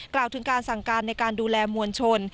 กล่าวถึงการสั่งการในการดูแลมวลชน